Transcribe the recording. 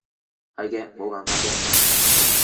係嘅，冇辦法嘅